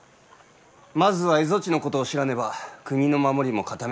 まずは蝦夷地のことを知らねば国の守りも固められぬ。